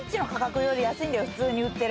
普通に売ってる。